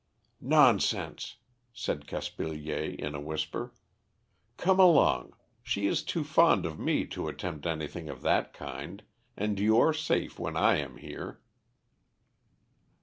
"Nonsense," said Caspilier, in a whisper. "Come along. She is too fond of me to attempt anything of that kind, and you are safe when I am here."